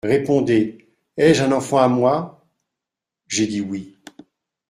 Répondez : Ai-je un enfant à moi ?» J'ai dit oui.